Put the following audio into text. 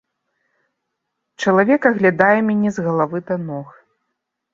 Чалавек аглядае мяне з галавы да ног.